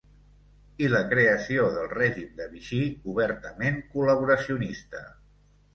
I la creació del Règim de Vichy, obertament col·laboracionista.